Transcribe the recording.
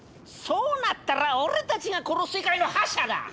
そうなったら俺たちがこの世界の覇者だ！